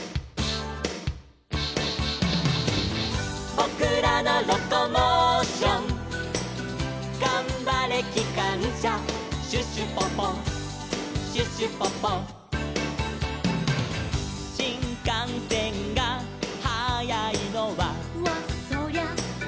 「ぼくらのロコモーション」「がんばれきかんしゃ」「シュシュポポシュシュポポ」「しんかんせんがはやいのは」